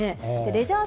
レジャー